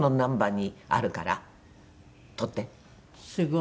すごい！